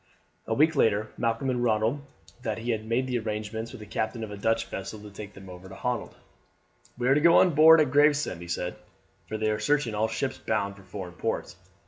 A week later Malcolm told Ronald that he had made arrangements with the captain of a Dutch vessel to take them over to Holland. "We are to go on board at Gravesend," he said, "for they are searching all ships bound for foreign ports.